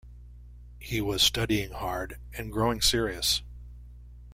He was studying hard, and growing serious.